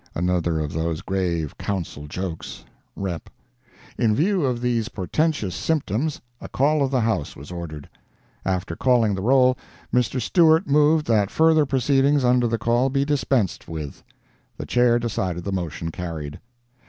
[Another of those grave Council jokes—REP.] In view of these portentous symptoms, a call of the House was ordered. After calling the roll, Mr. Stewart moved that further proceedings under the call be dispensed with. The Chair decided the motion carried.